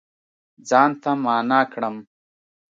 ځان ته معنا کړم